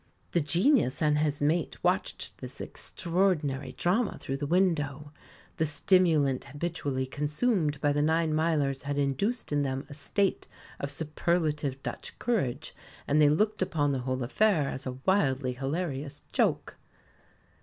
The Genius and his mate watched this extraordinary drama through the window. The stimulant habitually consumed by the Ninemilers had induced in them a state of superlative Dutch courage, and they looked upon the whole affair as a wildly hilarious joke.